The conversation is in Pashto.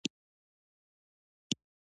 د ریګ دښتې د افغان کلتور سره تړاو لري.